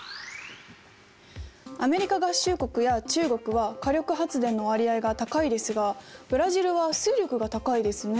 アメリカ合衆国や中国は火力発電の割合が高いですがブラジルは水力が高いですね。